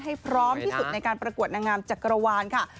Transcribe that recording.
ให้พร้อมที่สุดในการประกวดนางงามจักรวาลค่ะ